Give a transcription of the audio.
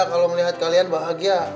kalau melihat kalian bahagia